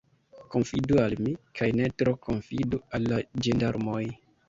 Konfidu al mi, kaj ne tro konfidu al la ĝendarmoj.